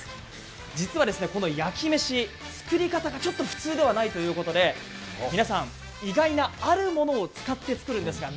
実はこの焼き飯、作り方がちょっと普通ではないということで皆さん、意外なあるものを使って作られています。